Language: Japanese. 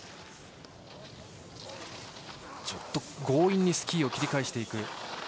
強引にスキーを切り返していく。